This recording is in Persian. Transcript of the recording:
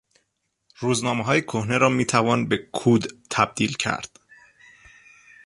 روزنامههای کهنه را میتوان به کود تبدیل کرد.